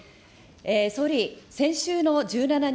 総理、先週の１７日